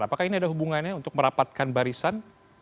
apakah ini ada hubungannya untuk merapatkan barisan